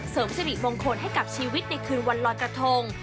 เสริมสิริมงคลให้กับชีวิตในคืนวันลอยกระทง